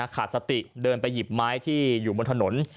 ขาดสติเดินไปหยิบไม้ที่อยู่บนถนน